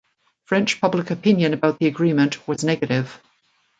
French public opinion about the agreement was negative.